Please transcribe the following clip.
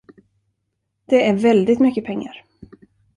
Det är väldigt mycket pengar.